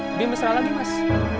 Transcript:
lebih mesra lagi mas